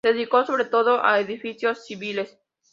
Se dedicó sobre todo a edificios civiles.